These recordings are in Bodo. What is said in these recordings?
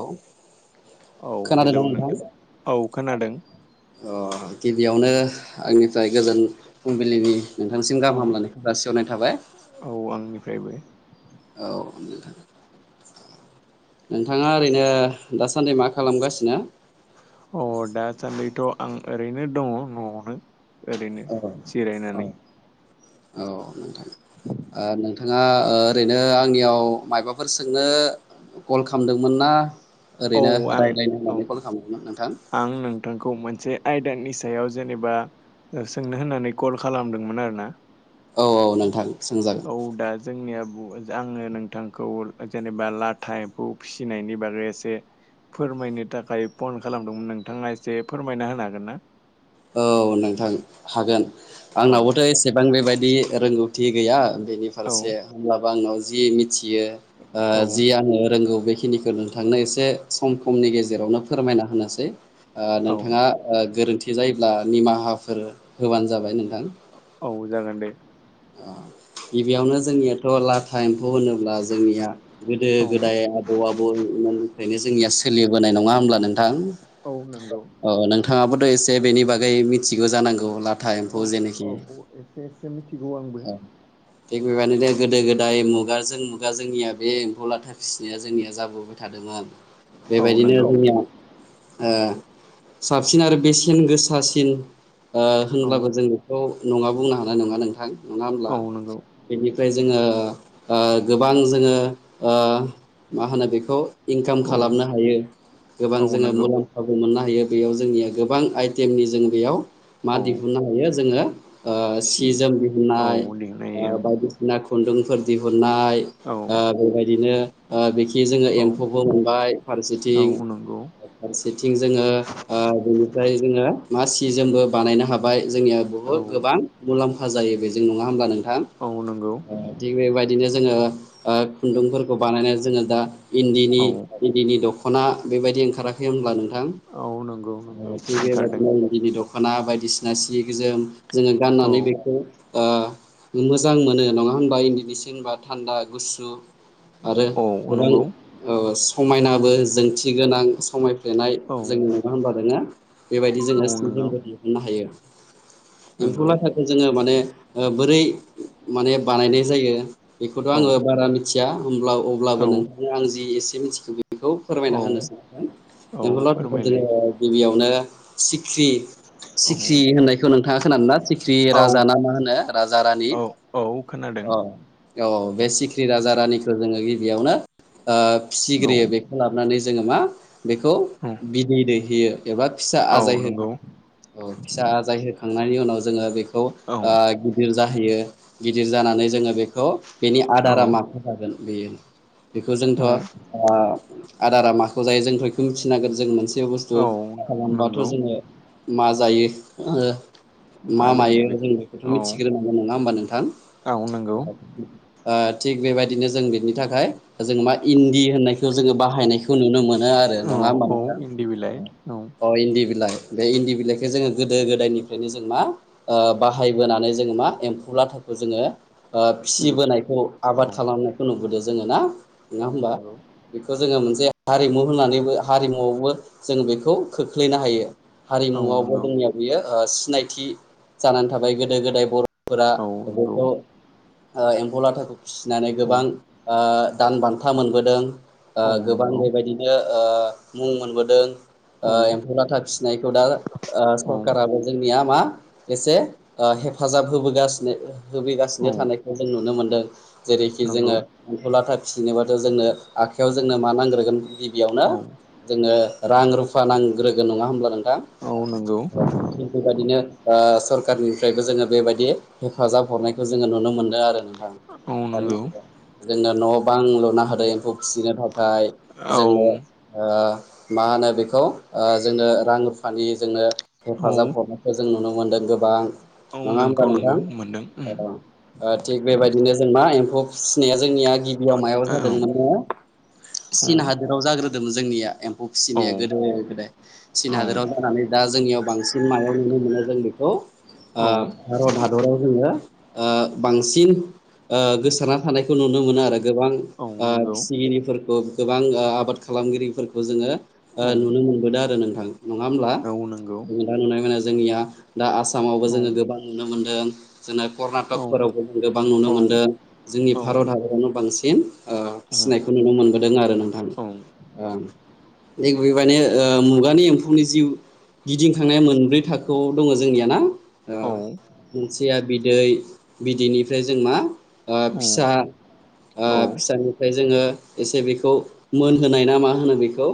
औ औ हेलौ खोनादोंना नोंथां औ खोनादों अ गिबियावनो आंनिफ्राय गोजोन फुंबिलिनि नोंथांसिम औ गाहाम हामलानायखौ जासिहरनाय थाबाय औ आंनिफ्रायबो औ [inaudible] नोंथाङा ओरैनो दासान्दि मा खालामगासिनो? थ' आं ओरैनो दङ न'आवनो ओरैनो औ औ जिरायनानै औ नोंथां। नोंथाङा ओरैनो आंनियाव मायबाफोर सोंनो कल खामदोंमोन ना औ ओरैनो आं रायज्लायनो औ होननानै कल खालामदोंमोन नोंथां? आं नोंथांखौ मोनसे आयदानि सायाव जेनेबा सोंनो होननानै कल खालामदोंमोन आरोना। औ औ नोंथां। सोंजागोन। औ दा जोंनिया आङो नोंथांखौ जेनेबा लाथा एम्फौ फिसिनायनि बागै एसे फोरमायनो थाखाय फन खालामदोंमोन नोंथाङा एसे फोरमायना होनो हागोन ना? औ नोंथां हागोन आंनावबोथ' एसेबां बेबायदि रोंगौथि गैया बेनि औ फारसे होमब्लाबो आंनाव जि मिथियो औ जि आङो रोंगौ बेखिनिखौ नोंथांनो एसे खम सममनि गेजेरावनो फोरमायना होनोसै। औ नोंथाङा गोरोन्थि जायोब्ला निमाहाफोर होबानो जाबाय नों औ जागोन दे। गिबियावनो जोंनियाथ' लाथा एम्फ फौ होनोब्ला जोंनिया गोदो औ गोदाय आबौ आबौ मोन ओंखायनो जोंनिया सोलिबोनाय नङा होनोमब्ला नोंथां? औ नंगौ। औ नोंथाङाबोथ' एसे बेनि बागै मिथिगौ जानांगौ लाथा औ एम्फौ जेनोखि एसे एसे मिथिगौ औ आंबो। ओ थिग बेबायदिनो गोदो गोदाय मुगाजों मुगा जोंनिया बे एम्फौ लाथा फिसिनाया जोंनिया जाबोबाय थादोंमोन आरोना। औ बेबायदिनो नंगौ जोंनिया ओ साबसिन आरो बेसेन गोसासिन औ होनब्लाबो जों बेखौ नङा बुंनो हानाय नङा नोंथां नङा होनब्ला औ नंगौ बेनिफ्राय जोङो ओ गोबां जोङो ओ मा होनो बेखौ इनकाम औ खालामनो हायो गोबां औ जोङो नंगौ मुलाम्फाबो मोननो हायो बेयाव जोंनिया गोबां आइटेमनि जों बेयाव मा औ दिहुननो हायो जोङो अ सि जोम औ दिहुनाय अ देनायाव बायदिसिना खुन्दुंफोर दिहुन नाय औ अ बेबायदिनो ओ बे खि जोङो औ एम्फौबो मोनबाय औ फारसेथिं नंगौ फारसेथिं जोङो ओ बेनिफ्राय जोङो मा सि जोमबो बानायनो हाबाय जोंनिया औ बुहुत गोबां मुलाम्फा जायो बे जों नङा होमब्ला नोंथां? औ नंगौ ओ थिग बेबायदिनो जोङो ओ खुन्दुंफोरखौ बानानाय जोङो दा इन्दिनि औ इन्दिनि दख' ना बेबायदि ओंखाराखै होनब्ला नोंथां? औ नंगौ ओ नंगौ थिग ओंखारदों बेबायदिनो इन्दिनि द खना बायदिसिना सि गोजोम जोङो औ गाननानै बेखौ ओ मोजां मोनो नङा होनबा? इन्दिनि सि होनबा थान्दा गुसु आरो औ गोबां नंगौ अ समायनाबो जोंथि गोनां समाय फेनाय औ जोंनि नङा होनबा? नोङो बेबायदि औ जोङो सि नंगौ जोमबो दिहुननो हायो। एम्फौ नंगौ लाथाखौ जोङो माने ओ बोरै माने बानायनाय जायो बेखौथ' औ आङो बारा मिथिया होमब्ला अब्लाबो औ नोंथांनो आं जि एसे मिथिगौ बेखौ फोरमायना औ होनो सानोनदों। औ फोरमायलाय [unintelligible] नो सिख्रि औ सिख्रि होननायखौ नोंथाङा खोनादों ना? सिख्रि औ राजा ना मा होनो जारानि? औ औ खोनादों अ औ औ बे सिखिरि राजा रानिखौ जोङो गिबियावनो ओ औ फिग्रियो बेखौ लाबोनानै जोङो मा बेखौ औ बिदै दैहोयो एबा फिसा औ आजाय होगोन। नंगौ औ फिसा आजाय होखांनायनि उनाव जोङो बे खौ औ ओ गिदिर जाहैयो गिदिर जानानै जोङो बेखौ बेनि आदारा औ माखौ जागोन बेयो बेखौ औ जोंथ' ओ आदारा माखौ जायो जोंथ' बेखौ मिथिनांगोन जों मोनसे बुस्थु औ खालामबाथ' नंगौ जोङो मा जायो ओ मा लोङो मायो बेखौ जों बिखौथ' मि औ थिग्रोनांगोन नङा होमबा नोंथां? औ नंगौ ओ थिग बेबायदिनो जों बिनि थाखाय जों मा इन्दि होननायखौ जोङो बाहायनायखौ नुनो मोनो आरो औ नङा होमबा औ नोंथा? इन्दि बिलाइ औ अ इन्दि बिलाय। बे इन्दि बिलाइखौ जोङो गोदो गोदायनिफ्रायनो जों मा ओ बाहायबोनानै जों मा एम्फौ लाथाखौ जोङो ओ फिसिबोदों फिसिबोनायखौ औ आबाद खालामनायखौ नुबोदो। जोङो ना औ नङा होमबा? नंगौ बेखौ जोङो मोनसे हारिमु होननानैबो हारिमुआवबो जों बेखौ खोख्लैनो हायो। औ हारिमुवआवबो नंगौ जोंनिया बियो ओ सिनायथि जानानै थाबाय गोदो गोदाय फोरा औ नंगौ बेखौ ओ एम्फौ लाथाखौ फिसिनानै औ गोबां ओ दान बान्था मोनबोदों ओ औ गोबां नंगौ बेबायदिनो ओ मुं मोनबोदों औ ओ एम्फौ लाथा फिसिनायखौ दा ओ औ सरखाराबो जोंनिया मा एसे ओ हेफाजाब होबोगासिनो औ होफैगासिनो थानायखौ जों नुनो मोनदों। जेरैखि नंगौ जोङो एम्फु लाथा फिसिनोबाथ' जोंनो आखयाव जोंनो मा नांग्रोगोन गिबियावनो औ जोङो रां रुफा नांग्रोगोन नङा होमब्ला नोंथां? औ नंगौ ओ थिग बेबायदिनो ओ सरखारनिफ्रायबो जोङो बेबायदि हेफाजाब हरनायखौ जोङो नुनो मोनदों आरो नों थां औ दानि नंगौ जुगाव। जोंनो न' बां लुना होदो एम्फौ फिसिनो था फ्राय औ जोङो ओ मा होनो बेखौ ओ जोंनो रां रुफानि जोंनो औ हेफाजाब हरनायखौ जों नुनो मोनदों गोबां औ नङा होमबा नोंगौ नोंगौ नोंथां मोनदों। [unintelligible] उम ओ थिग बेबायदिनो जों मा एम्फौ फिसिनाया जोंनिया औ गिबियाव मायाव औ जादोंमोन नो? [inaudible] चिन हादोराव जाग्रोदोंमोन जोंनिया एम फौ फिसिनाया गोदो गोदाय। चिन हादोराव औ जानानै दा जोंनियाव बांसिन मायाव नुनो मोनो जों बेखौ औ ओ भारत हादराव जोंङो ओ बांसिन ओ गोसारना थानायखौ नुनो मोनो आरो गोबां नंगौ फिसिगिरिफोरखौ गोबां ओ आबाद खालामगिरिफोरखौ जोंङो ओ औ नुनो मोनबोदों आरो नोंथां। नङा होमब्ला औ नंगौ जों दा नुनाय मोनो जोंनिया दा आसामावबो औ जोङो गोबां नुनो मोनदों। जोंना औ कर्नाटकफोरावबो जों गोबां नुनो मोनदों जोंनि औ भारत हादरावनो बांसिन ओ औ औ फिनायखौ नुनो मोनबोदों आरो नोंथां औ ओं थिग बेबायदिनो ओ मुगानि एम्फौनि जि गिदिंखांनाया मोनब्रै थाखोआव दङ जोंनिया ना? ओ औ मोनसेया बिदै बिदैनिफ्राय जों मा ओ औ फिसा ओ औ फिसानिफ्राय जोङो एसे बेखौ मोनहोनाय ना मा होनो बेखौ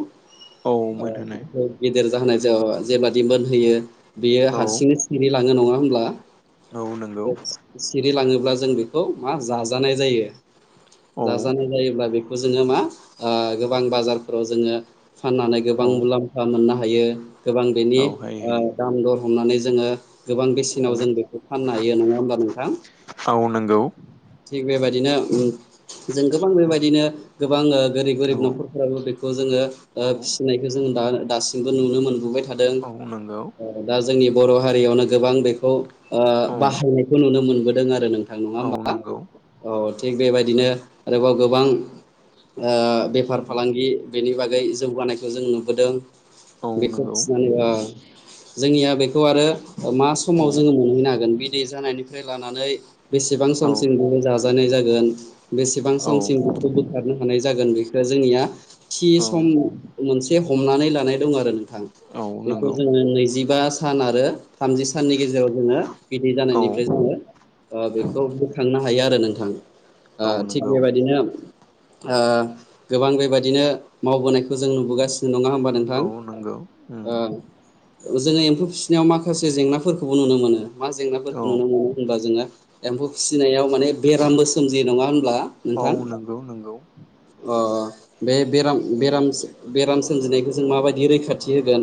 औ मोनहोनाय ओ [inaudible] गेदेर जाहोनाय जाया जेबादि मोनहोयो बियो औ हारसिंनो सिरि लाङो नङा होमब्ला। औ नंगौ ओ सिरि लाङो ब्ला जों बेखौ मा जाजानाय जायो औ जाजानाय जायोब्ला बेखौ जोंङो मा। ओ गोबां बाजारफोराव जोङो फाननानै औ गोबां मुलाम्फा मोननो हायो। गोबां औ बेनि हायो ओ हायो दाम दर हमनानै जोङो। गोबां औ बेसेनाव जों बेखौ फाननो हायो नङा होमबा नोंथां औ नंगौ थिग बेबाय दिनो ओम जों गोबां बेबायदिनो गोबां ओ गोरिब औ गोरिब न'खरफोराबो बेखौ जोङो औ ओ फिसिनायखौ जों दा-दासिमबो नुनो मोन नुबाय थादों औ नंगौ ओ दा जोंनि बर' हारियावनो गोबां बेखौ ओ औ बाहायनायखौ नुनो मोनबोदों आरो नोंथां नङा औ होमबा नंगौ अ थिग बेबायदिनो आरोबाव गोबां ओ बेफार फालांगि बेनि बागै जौगानायखौ जों नुबोदों। औ बेखौ नंगौ फिनानै ओ जोंनिया बेखौ आरो मा औ समाव जोङो मोनहैनो हागोन बिदै जानायनिफ्राय लानानै बेसेबां औ समसिम बेयो जा जाजानाय जागोन बेसेबां औ समसिम बेखौ बोखारनो हानाय जागोन बेखौ जोंनिया थि औ सम मोनसे हमनानै लानाय दं आरो नोंथां औ बेखौ नंगौ जोङो नैजिबा सान आरो थामजि साननि गेजेराव जोङो बिदै औ जानायनिफ्राय जोङो ओ बेखौ बोखांनो हायो आरो नों थां ओ औ थिग नंगौ बेबायदिनो ओ गोबां बेबायदिनो मावबोनायखौ जों नुबोगासि नङा होमबा नोंथां औ नंगौ उम ओ जोङो एम्फौ फिसिनायाव मा खासे जेंनाफोरखौबो नुनो मोनो मा औ जेंनाफोरखौ नुनो मोनो होमबा जोङो एम्फौ फिसिनायाव माने बेरामबो सोमजियो नङा होमब्ला औ नोंथां नंगौ नंगौ अ बे बेराम बेराम बेराम सोमजिनायखौ जों माबाय दि रैखाथि होगोन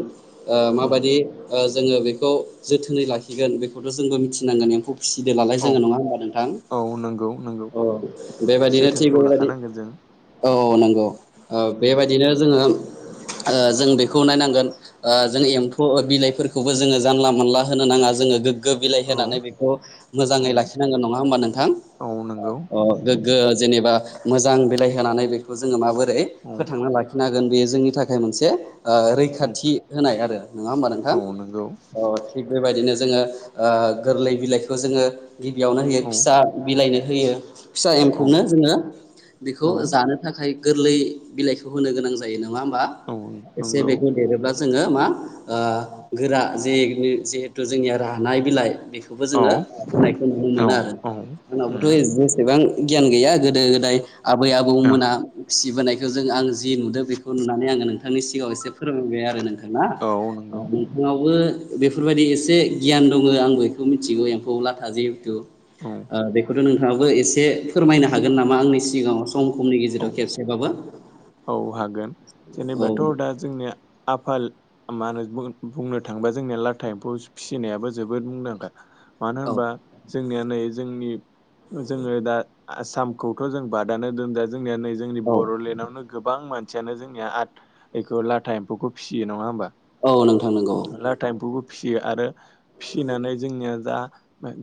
ओ औ माबायदि ओ जोङो बे खौ जोथोनै लाखिगोन बेखौथ' जोंबो मिथिनांगोन एमफौ फिसिदोनालाय औ जोङो नङा होमबा नोंथां। औ नंगौ नंगौ अ बेबायदिनो थिग जोथोनखौ बेबायदि लाखानांगोन जों औ औ नंगौ ओ उम बेबायदिनो जोङो ओ जों बेखौ नायनांगोन ओ जों एम्फौ बिलाइफोरखौबो जोङो जानला मोनला होनो नाङा जोङो गो गो बिलाइ औ होनानै बेखौ औ मोजाङै लाखिनांगोन नङा होमबा नोंथां? औ नंगौ अ गोगो जेनेबा मोजां बिलाइ होनानै बेखौ जोङो माबोरै औ फोथांना लाखिनो हागोन बेयो जोंनि थाखाय मोनसे ओ औ रैखाथि होनाय आरो। औ नंगौ। ओ थिग बेबायदिनो जोङो ओ गोरलै बिलाइखौ जोङो गिबियावनो होयो औ फिसा बिलाइनो। होयो फिसा औ एम्फौनो जोङो बेखौ औ जानो थाखाय गोरलै बिलाइखौ होनो गोनां जायो नङा होमबा औ एसे नंगौ बेखौ देरोब्ला जों जोङो मा ओ गोरा जे जिहेथु जोंनिया रानाय बिलाइ बेखौबो औ जोङो होनायखौ नुनो औ मोनो आरो औ उम उनावबोथ' जेसेबां गियान गैया गोदो गोदाय आबै आबौमोना फिसिबोनाय। जों आं जि नुदों बेखौ नुनानै आङो नोंथांनि सिगाङाव एसे फो फोरमाय बाय आरो नोंथांङा। औ नंगौ नोंथांनाव ओ बेफोरबायदि एसे गियान दङ आं बेखौ मिथिगौ एम्फौ लाथा जिहेथु औ ओ बेखौथ' नोंथाङाबो एसे फोरमायनो हागोन नामा आंनि सिगाङाव। सम खमनि गेजेराव खेबसेबाबो। औ हागोन औ जेनेबाथ' दा जोंनिया आफाल मा होनो बुंनो थाङोबा जोंनिया लाथा एम्फौ फिसिनायाबो जोबोद मुंदांखा। मानो औ होनबा जोंनिया नै जोंनि जोङो दा आसामखौथ' जों बादानो दोन दा जों निया नै जोंनि औ बर'लेण्डआवनो गोबां मानसियानो जोंनिया आथ इखौ लाथा एम्फौखौ फिसियो नङा होमबा। औ नोंथां नंगौ। लाथा एम्फौबो फिसियो आरो फिसिनानै जोंनिया दा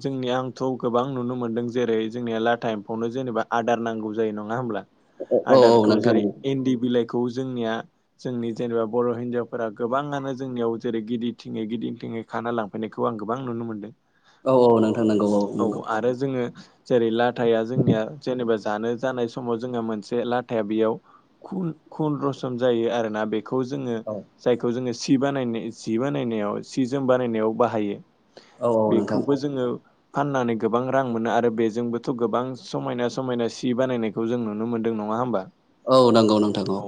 जोंनि आंथ' गोबां नुनो मोनदों जेरै जोंनिया लाथा एमफौनो जेनेबा आदार नांगौ जायो नङा होमब्ला। औ औ आदारखौ नोंथां। जेरै इन्दि बिलाइखौ जोंनिया जोंनि जेनेबा बर' हिनजावफोरा गोबाङानो जोंनियाव जेरै गिदिर थिङै गि दिंन्थिङै खाना लांफैनायखौ आं गोबां नुनो मोन्दों। औ औ नोंथां नंगौ औ नंगौ आरो जोङो। जेरै लाथाया जोंनिया जेनेबा जानो जानाय समाव जोंहा मोनसे लाथाया बेयाव। खुन खुन रसम जायो आरोना। बेखौ जोङो औ जायखौ जोङो। सि बानायनाय जि बानायनायाव सि जोम बानायनायाव बाहायो। औ औ नोंथां बेखौबो जोङो। फाननानै गोबां रां मोनो आरो बेजोंबोथ' गोबां समायना समायना सि बानायनायखौ जों नुनो मोनदों नं ङा होमबा। औ नंगौ नोंथां औ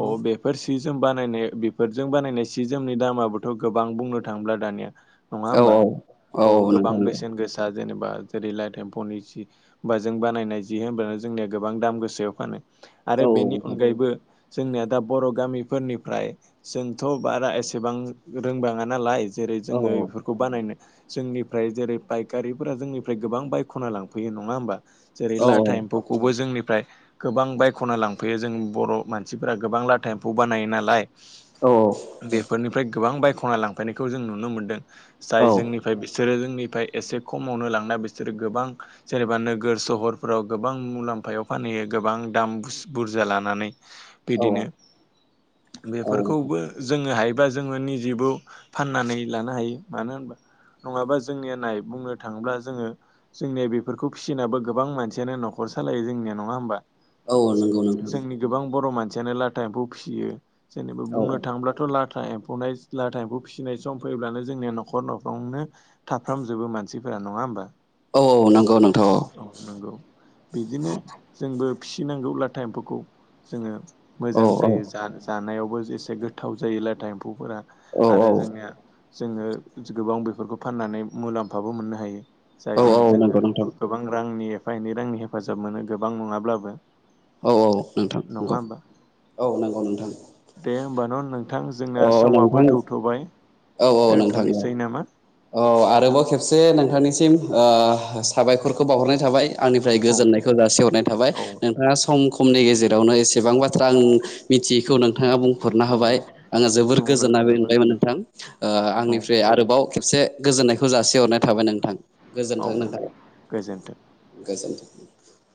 औ बेफोर सि जोम बानायनाय बेफोरजों बानायनाय सि जोमनि दामाबोथ' गोबां बुंनो थांब्ला दानिया। नङा औ होमबा? औ गोबां बेसेन गोसा। जेनेबा जेरै लाइट एम्फौनि जि जों बानायनाय जि होनोमब्लानो जोंनिया गोबां दाम गोसायाव फानो। औ आरो बेनि अनगायैबो जोंनिया दा बर' गामिफोरनिफ्राय जोंथ' बारा एसेबां रोंबाङा नालाय। जेरै औ जोङो बेफोरखौ बानायनो। जोंनिफ्राय जेरै बाइकारिफोरा जोंनिफ्राय गोबां बायख'ना लांफैयो नङा होमबा। जेरै औ लाथा एम्फौखौबो जोंनिफ्राय गोबां बायख'ना लां फैयो जों बर' मानसिफोरा गोबां लाथा एम्फौ बानायो नालाय। बेफोरनिफ्राय गोबां बायख'ना लांफैनायखौ जों नुनो मोनदों। जाय जोंनिफ्राय बिसोरो। निफ्राय एसे खमावनो लांना बिसोर गोबां जेनेबा नोगोर सहरफोराव गोबां मुलाम्फायाव। फानहैयो गोबां दाम बुस बुरजा लानानै। औ बिदिनो बेफोरखौबो जोङोहाय बा जोङो निजेबो फाननानै लानो हायो मानो होनबा। नङाबा जोंनिया नाय बुंनो थाङोब्ला जोङो जोंनिया बेफोरखौ फिसिनाबो गोबां मानसियानो न'खर सालायो जोंनिया नङा होमबा। औ नंगौ नोंथां जोंनि गोबां बर' मानसियानो लाथा एम्फौ फियो जेनेबा औ औ बुंनो थाङोब्लाथ' लाथ था एम्फौ लाथा एम्फौ फिसिनाय सम फैयोब्लानो जोंनिया न'खर न'खरावनो थाफ्रामजोबो मानसिफोर ना नङा होनबा? औ नंगौ नोंथां औ नंगौ बिदिनो जोंबो फिनांगौ लाथ था एम्फौखौ जोङो औ मोजां औ जायो जा-जानायाव। बो जेसे गोथाव जायो लाथा एम्फौफोरा औ आरो जोंनिया औ जोङो गोबां बेफोरखौ फाननानै मुलाम्फाबो मोननो हायो। औ जायजों औ जोङो नंगौ नोंथां गोबां रांनि एफा एनै रांनि हेफाजाब मोनो गोबां नङाब्लाबो। औ औ नोंथां नङा नंगौ होमबा औ नंगौ नोंथां दे होमबा न' नोंथां जोंना अ नोंथां समाबो थौथ'बाय औ औ नोंथां औ दोनथ'नोसै नामा? औ आरोबाव खेबसे नोंथांनिसिम ओं साबायखरखौ बावहरनाय थाबाय आंनिफ्राय औ गोजोननायखौ जासिहरनाय थाबाय औ नोंथाङा समखौ समनि गेजेरावनो एसेबां बाथ्रा आं मिथियैखौ नोंथाङा बुं फुरना औ होबाय आङो जोबोर औ गोजोननाय बे नोंथाङाबो मोनंबायमोन नोंथां औ आंनिफ्राय आरोबाव खेबसे गोजोननायखौ जासिहरनाय थाबाय नोंथां औ गोजोन्थों नोंथां दे गोजोन्थों गोजोनथों। [unintelligible]